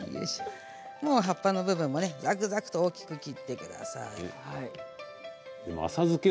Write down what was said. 葉っぱの部分もざくざくと大きく切ってください。